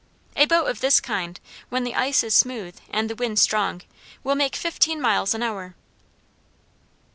A boat of this kind, when the ice is smooth and the wind strong, will make fifteen miles an hour.